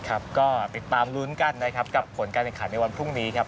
ครับก็ติดตามลุ้นกันนะครับกับผลการแข่งขันในวันพรุ่งนี้ครับ